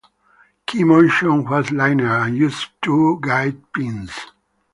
Key motion was linear and used two guide pins.